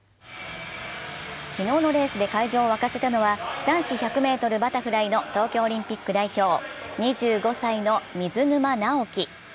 昨日のレースで会場を沸かせたのは、男子１００ｍバタフライの東京オリンピック代表、２５歳の水沼尚輝。